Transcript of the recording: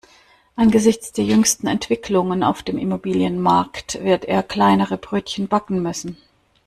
Angesichts der jüngsten Entwicklungen auf dem Immobilienmarkt wird er kleinere Brötchen backen müssen.